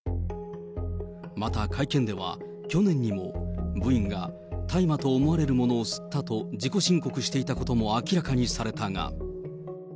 また会見では、去年にも、部員が大麻と思われるものを吸ったと自己申告していたことも明らかにされたが。